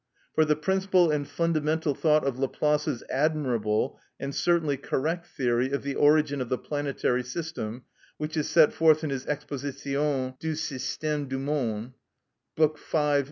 For the principal and fundamental thought of Laplace's admirable and certainly correct theory of the origin of the planetary system, which is set forth in his "Exposition du Système du Monde," liv. v. c.